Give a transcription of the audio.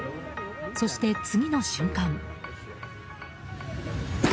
そして、次の瞬間。